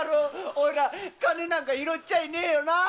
おいら金なんか拾っちゃいねえよなあ？